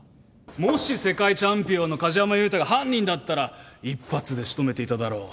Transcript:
もし世界チャンピオンの梶山裕太が犯人だったら一発で仕留めていただろう